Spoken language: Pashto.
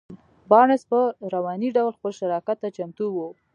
بارنس په رواني ډول خپل شراکت ته چمتو و.